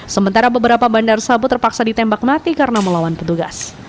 sementara beberapa bandar sabu terpaksa ditembak mati karena melawan petugas